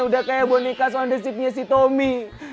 udah kayak boneka suan desitnya si tommy